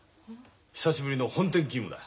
久しぶりの本店勤務だ。